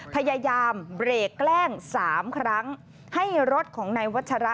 พยายามเบรกแกล้งสามครั้งให้รถของนายวัชระ